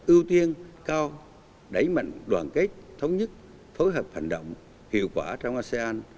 ưu tiên cao đẩy mạnh đoàn kết thống nhất phối hợp hành động hiệu quả trong asean